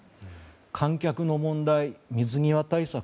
観客の問題、水際対策